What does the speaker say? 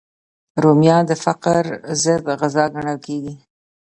رومیان د فقر ضد غذا ګڼل کېږي